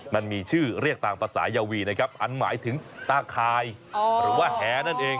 มันมีชื่อเรียกตามภาษายาวีนะครับอันหมายถึงตาคายหรือว่าแหนั่นเอง